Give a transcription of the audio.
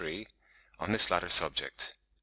71) on this latter subject.)